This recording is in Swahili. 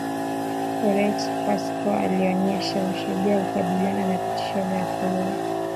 Roegchanda Pascoe alionyesha ushujaa kukabiliana na vitisho vya kuuawa